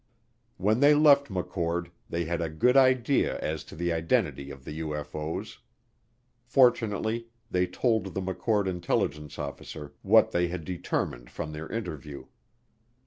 When they left McChord they had a good idea as to the identity of the UFO's. Fortunately they told the McChord intelligence officer what they had determined from their interview.